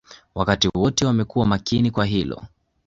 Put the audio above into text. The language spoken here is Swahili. Wakati wote amekuwa makini kwa hilo